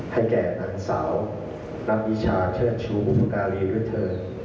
ให้แก่สาวนำวิชาเชื่อชูพวกควรการีด้วยเธอ